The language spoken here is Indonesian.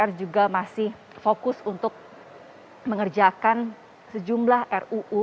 kemudian juga bagaimana saat ini dpr juga masih fokus untuk mengerjakan sejumlah ruu